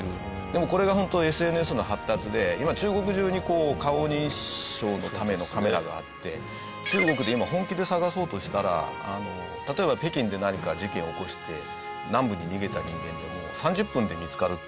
でもこれがホントＳＮＳの発達で今中国じゅうに顔認証のためのカメラがあって中国で今本気で捜そうとしたら例えば北京で何か事件を起こして南部に逃げた人間でも３０分で見つかるっていいますよね。